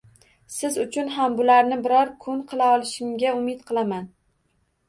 Siz uchun ham bularni biror kun qila olishimga umid qilaman.